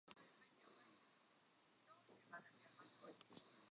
سێ چوار دەوڵەت داگیریان کردووە